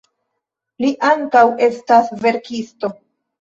Li ankaŭ estas verkisto.